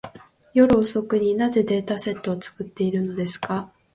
夜遅くに、なぜデータセットを作っているのですか。